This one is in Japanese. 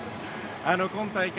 今大会